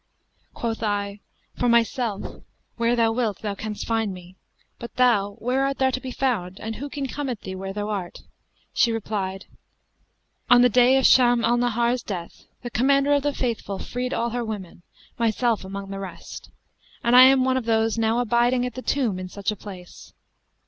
Quoth I, 'For myself, where thou wilt thou canst find me; but thou, where art thou to be found, and who can come at thee where thou art?' She replied, 'On the day of Shams al Nahar's death, the Commander of the Faithful freed all her women, myself among the rest;[FN#218] and I am one of those now abiding at the tomb in such a place.'